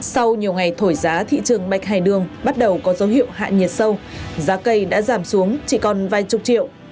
sau nhiều ngày thổi giá thị trường bạch hải đường bắt đầu có dấu hiệu hạ nhiệt sâu giá cây đã giảm xuống chỉ còn vài chục triệu